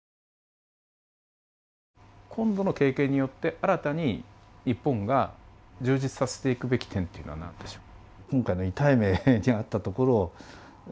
今度の経験によって新たに日本が充実させていくべき点っていうのは何でしょう？